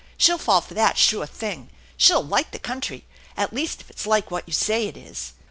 She'll fall for that, sure thing. She'll like the country. At least, if it's like what you say it is."